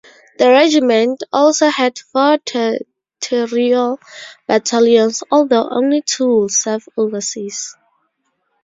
The regiment also had four Territorial battalions, although only two would serve overseas.